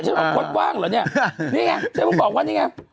ฉันบอกพจน์ว่างเหรอเนี่ยนี่ไงฉันก็บอกว่านี่ไง